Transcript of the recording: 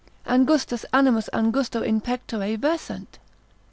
Angustas animas angusto in pectore versant.